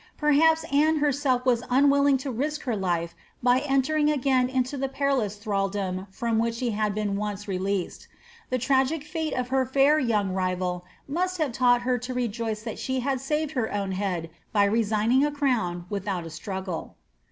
Perhaps Anoe hnvdf was unwilling to risk her life by entering again into the periloas thml dom from which she had been once released. The tragic fate of licr fair young rival must have taught her to rejoice that she had saved hef own head by resigning a crown without a struggle.